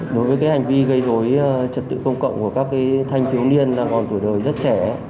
đối với hành vi gây dối trật tự công cộng của các thanh thiếu niên còn tuổi đời rất trẻ